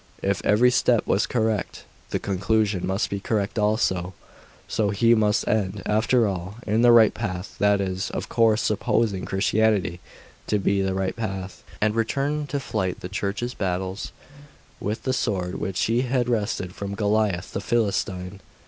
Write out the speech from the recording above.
If every step was correct, the conclusion must be correct also; so he must end, after all, in the right path that is, of course, supposing Christianity to be the right path and return to fight the Church's battles, with the sword which he had wrested from Goliath the Philistine....